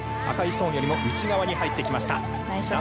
赤いストーンよりも内側に入ってきました。